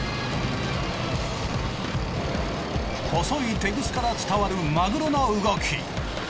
細いテグスから伝わるマグロの動き。